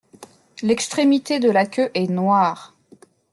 L'extrémité de la queue est noire.